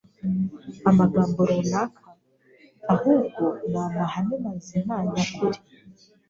amagambo runaka, ahubwo ni amahame mazima, nyakuri